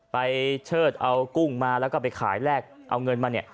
เชิดเอากุ้งมาแล้วก็ไปขายแรกเอาเงินมาเนี่ย